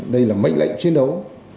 đây là mấy lệnh chiến đấu